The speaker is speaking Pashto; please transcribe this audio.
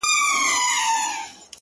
كېداى سي بيا ديدن د سر په بيه وټاكل سي،